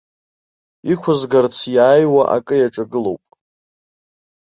Иқәызгарц иааиуа акы иаҿагылоуп.